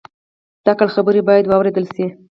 د عقل خبرې باید واورېدل شي